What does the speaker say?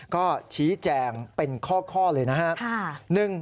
ก็ชี้แจงเป็นข้อเลยนะครับ